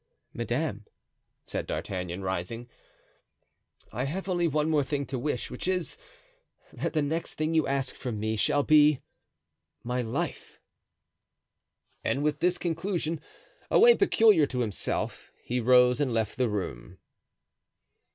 "Madame," said D'Artagnan, rising, "I have only one thing more to wish, which is, that the next thing you ask from me, shall be—my life." And with this conclusion—a way peculiar to himself—he rose and left the room.